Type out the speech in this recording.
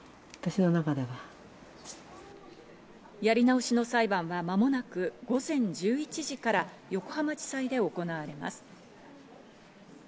やり直しの裁判は、間もなく午前１１時から横浜地裁で行われます。